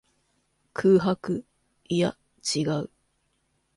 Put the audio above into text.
空白。いや、違う。